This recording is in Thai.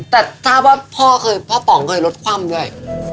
แต่ถ้าว่าพ่อต่อเคยรถคว่ำด้วย